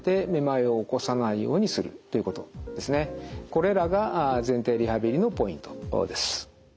これらが前庭リハビリのポイントです。